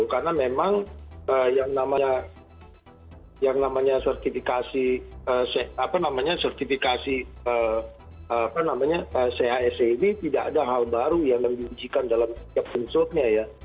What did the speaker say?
karena memang yang namanya sertifikasi chse ini tidak ada hal baru yang dimujikan dalam setiap unsurnya